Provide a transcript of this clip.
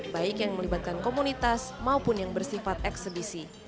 baik yang melibatkan komunitas maupun yang bersifat eksebisi